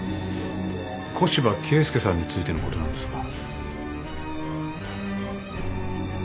古芝恵介さんについてのことなんですが。